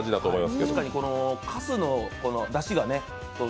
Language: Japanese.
確かに、かすのだしがね